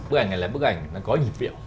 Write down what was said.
bức ảnh này là bức ảnh nó có nhịp điệu